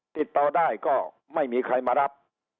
ติดต่อได้ก็ไม่มีใครมารับ